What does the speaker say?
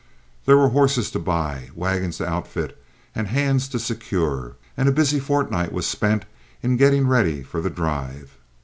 There were horses to buy, wagons to outfit, and hands to secure, and a busy fortnight was spent in getting ready for the drive.